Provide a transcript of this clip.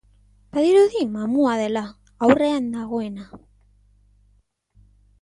Badirudi mamua dela, aurrean dagoena.